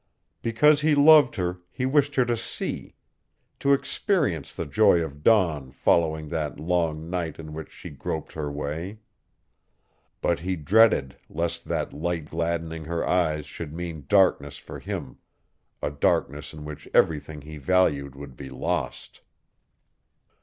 Because he loved her he wished her to see, to experience the joy of dawn following that long night in which she groped her way. But he dreaded lest that light gladdening her eyes should mean darkness for him, a darkness in which everything he valued would be lost.